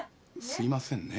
すいませんね。